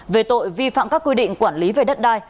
về tội vi phạm các quy định quản lý về đất đai